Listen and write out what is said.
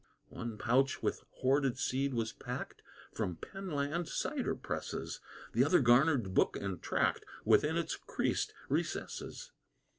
One pouch with hoarded seed was packed, From Penn land cider presses; The other garnered book and tract Within its creased recesses.